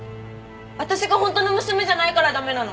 私が本当の娘じゃないから駄目なの？